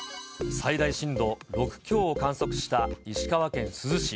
最大震度６強を観測した石川県珠洲市。